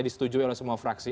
disetujui oleh semua fraksi